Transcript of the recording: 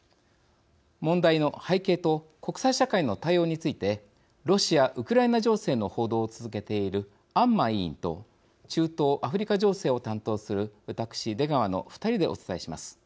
問題の背景と国際社会の対応についてロシア・ウクライナ情勢の報道を続けている安間委員と中東・アフリカ情勢を担当する私、出川の２人でお伝えします。